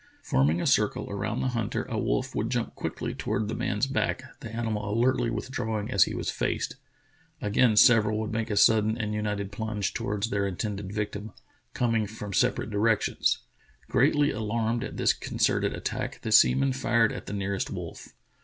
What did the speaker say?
Forming a circle around the hunter, a wolf would jump quickly toward the man's back, the animal alertly withdrawing as he was faced. Again several would make a sudden and united plunge toward their intended victim — coming from separate directions. Greatly alarmed at this concerted attack, the seaman fired at the nearest wolf.